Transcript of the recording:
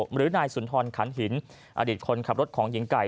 หรือนายสุนทรขันหินอดีตคนขับรถของหญิงไก่